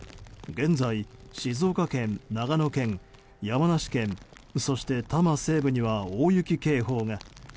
現在、静岡県、長野県、山梨県そして、多摩西部には大雪警報が。